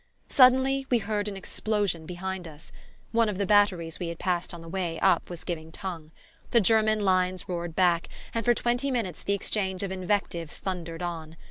Suddenly we heard an explosion behind us: one of the batteries we had passed on the way up was giving tongue. The German lines roared back and for twenty minutes the exchange of invective thundered on.